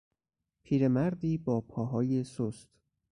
پیرمردی با پاهای سست